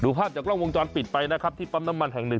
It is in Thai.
ภาพจากกล้องวงจรปิดไปนะครับที่ปั๊มน้ำมันแห่งหนึ่ง